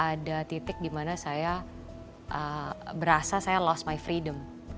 ada titik dimana saya berasa saya lost my freedom